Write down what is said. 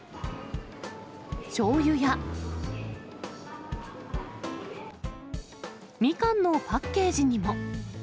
しょうゆや、ミカンのパッケージにも。